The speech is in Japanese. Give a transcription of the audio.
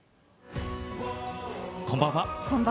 こんばんは。